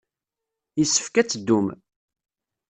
Yessefk ad teddum.